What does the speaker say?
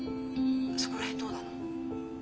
そこら辺どうなの？